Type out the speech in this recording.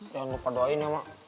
jangan lupa doain ya mak